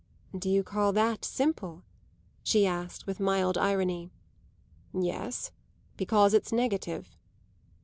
"Do you call that simple?" she asked with mild irony. "Yes, because it's negative."